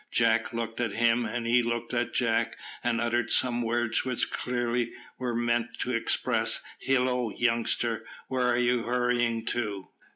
Jack looked at him, and he looked at Jack, and uttered some words which clearly were meant to express, "Hillo, youngster, where are you hurrying to?"